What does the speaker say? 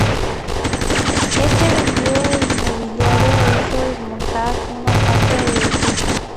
Este vendió el mobiliario e hizo desmontar una parte del edificio.